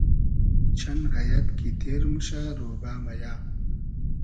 چئن غئیئد کی تیر موشۂ رۉبۂ مئیۂ